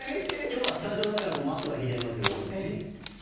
今日はスタジオだからマットが敷いてありますけどこれ土ですからね。